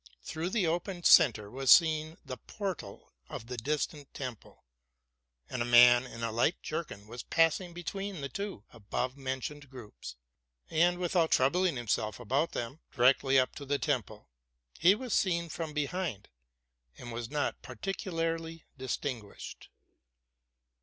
Through the open centre was seen the portal of the distant temple : and a man in a light jerkin was passing between the two above mentioned groups, and, without troubling himself about them, directly up to the temple; he was seen from behind, and was not particularly distinguished.